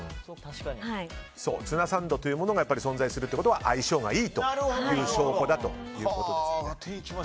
ツナサンドというものが存在するということは相性がいいという証拠だということですね。